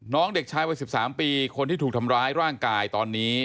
เด็กชายวัย๑๓ปีคนที่ถูกทำร้ายร่างกายตอนนี้